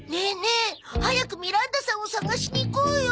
え早くミランダさんを捜しに行こうよ。